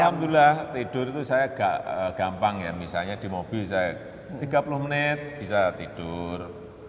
alhamdulillah tidur itu saya agak gampang ya misalnya di mobil saya tiga puluh menit bisa tidur